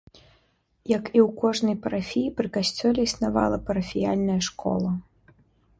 Як і ў кожнай парафіі, пры касцёле існавала парафіяльная школа.